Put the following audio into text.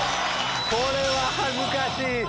これは恥ずかしい。